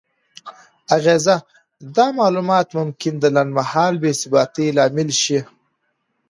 اغیزه: دا معلومات ممکن د لنډمهاله بې ثباتۍ لامل شي؛